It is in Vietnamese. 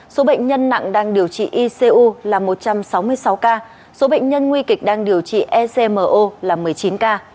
số bệnh nhân nặng đang điều trị icu là một trăm sáu mươi sáu ca số bệnh nhân nguy kịch đang điều trị ecmo là một mươi chín ca